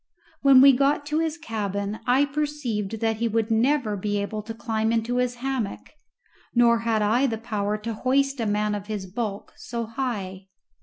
When we got to his cabin I perceived that he would never be able to climb into his hammock, nor had I the power to hoist a man of his bulk so high.